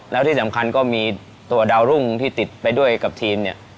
แล้วที่สำคัญก็มีตัวดาวรุ่งที่ติดไปด้วยกับทีมเนี่ย